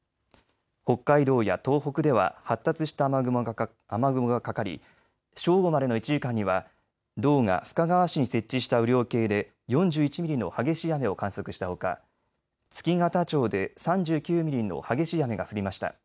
北海道や東北では発達した雨雲がかかり正午までの１時間には道が深川市に設置した雨量計で４１ミリの激しい雨を観測したほか月形町で３９ミリの激しい雨が降りました。